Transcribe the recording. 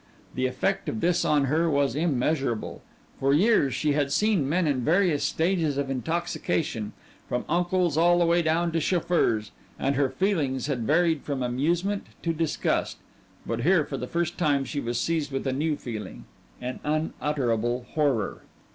The effect of this on her was immeasurable. For years she had seen men in various stages of intoxication, from uncles all the way down to chauffeurs, and her feelings had varied from amusement to disgust, but here for the first time she was seized with a new feeling an unutterable horror.